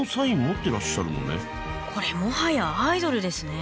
これもはやアイドルですね。